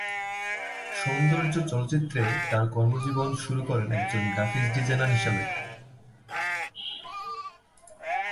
সৌন্দর্য চলচ্চিত্রে তার কর্মজীবন শুরু করেন একজন গ্রাফিক্স ডিজাইনার হিসাবে।